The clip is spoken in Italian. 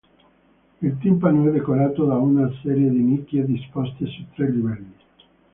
Il timpano è decorato da un serie di nicchie disposte su tre livelli.